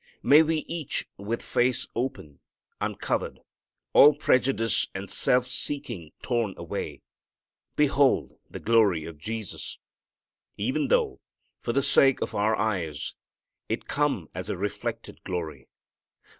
May we each with face open, uncovered, all prejudice and self seeking torn away, behold the glory of Jesus, even though for the sake of our eyes it come as a reflected glory.